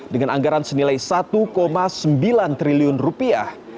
dengan anggaran senilai satu sembilan triliun rupiah